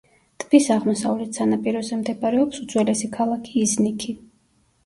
ტბის აღმოსავლეთ სანაპიროზე მდებარეობს უძველესი ქალაქი იზნიქი.